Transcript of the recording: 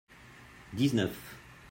dix-neuf.